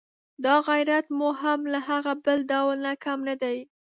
دا غیرت مو هم له هغه بل ډول نه کم نه دی.